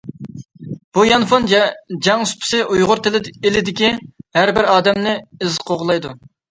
بۇ يانفون «جەڭ سۇپىسى» ئۇيغۇر ئېلىدىكى ھەربىر ئادەمنى ئىز قوغلايدۇ.